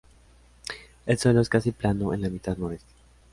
El suelo es casi plano en la mitad noroeste.